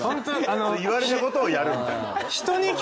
言われたことをやるみたいな？